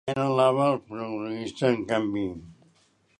Què anhelava el protagonista, en canvi?